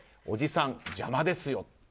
おじさん、邪魔ですよ。